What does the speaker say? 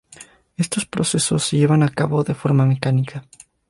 Estos procesos se llevan a cabo de forma mecánica.